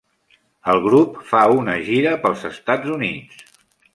El grup fa una gira pels Estats Units.